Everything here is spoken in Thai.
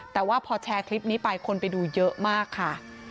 แต่ว่าพอแชร์คลิปนี้ไปคนไปดูเยอะมากค่ะ